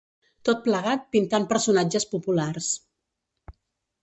Tot plegat pintant personatges populars.